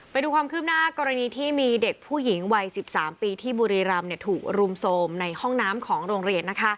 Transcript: ไปดูความคืบหน้ากรณีที่มีเด็กผู้หญิงวัย๑๓ปีที่บุรีรำถูกรุมโทรมในห้องน้ำของโรงเรียน